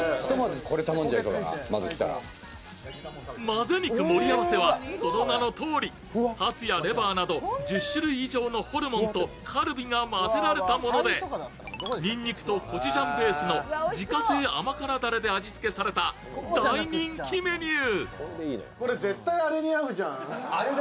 まぜ肉盛り合わせはその名のとおり、ハツやレバーなど１０種類以上のホルモンとカルビが混ぜられたものでにんにくとコチュジャンベースの自家製甘辛だれで味付けされた大人気メニュー。